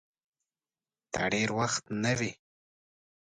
دا دېر وخت نه وې